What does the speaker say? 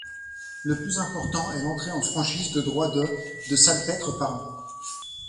Le plus important est l'entrée en franchise de droits de de salpêtre par an.